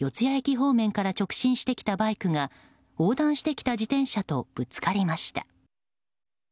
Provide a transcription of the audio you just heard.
谷駅方面から直進してきたバイクが横断してきた自転車とぶつかりました。